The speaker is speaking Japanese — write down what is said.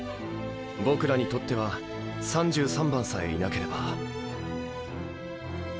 僕らにとっては３３番さえいなければ。